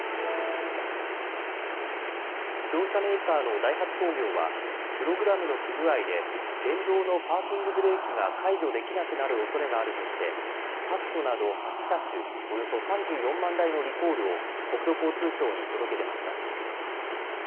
自動車メーカーのダイハツ工業はプログラムの不具合で電動のパーキングブレーキが解除できなくなるおそれがあるとしてタフトなど８車種、およそ３４万台のリコールを国土交通省に届け出ました。